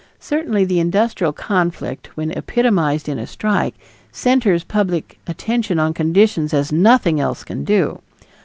Certainly the industrial conflict when epitomized in a strike, centers public attention on conditions as nothing else can do.